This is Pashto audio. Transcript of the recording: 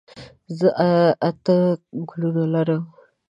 زه اته ګلونه لرم.